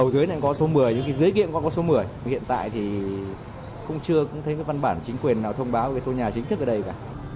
giới kiện còn có số một mươi hiện tại thì không chưa thấy văn bản chính quyền nào thông báo số nhà chính thức ở đây cả